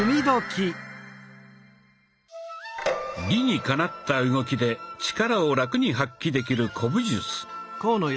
理にかなった動きで力をラクに発揮できる古武術。